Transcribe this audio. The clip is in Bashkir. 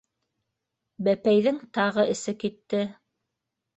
Бәпәйҙең тағы эсе китте.